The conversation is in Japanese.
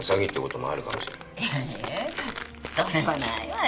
えそれはないわよ。